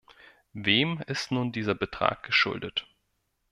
Wem ist nun dieser Betrag geschuldet?